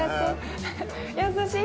優しい。